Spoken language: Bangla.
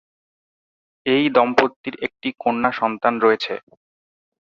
এই দম্পতির একটি কন্যা সন্তান রয়েছে।